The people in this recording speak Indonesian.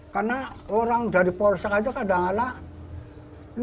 karena orang dari polsek aja kadang kadang